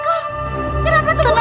kenapa kamu menemukan saya ini